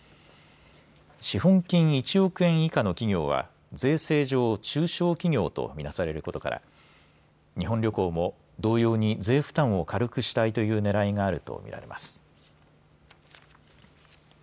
資本金１億円以下の企業は税制上中小企業と見なされることから日本旅行も同様に税負担を軽くしたいというねらいがあると見られます。